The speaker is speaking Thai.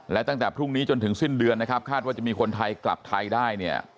และตั้งแต่พรุ่งนี้จนถึงสิ้นเดือนนะครับคาดว่าจะมีคนไทยกลับไทยได้เนี่ย